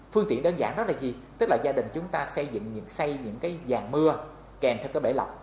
phương tiện đơn giản đó là gì tức là gia đình chúng ta xây những vàng mưa kèm theo cái bể lọc